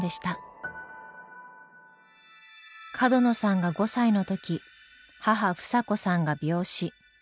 角野さんが５歳の時母房子さんが病死。